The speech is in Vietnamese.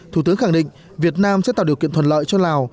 thủ tướng khẳng định việt nam sẽ tạo điều kiện thuận lợi cho lào